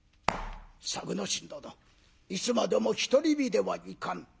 「作之進殿いつまでも独り身ではいかん。